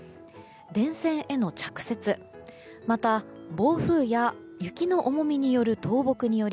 電線への着雪、また暴風や雪の重みによる倒木により